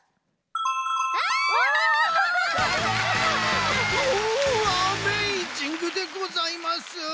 おアメイジングでございます！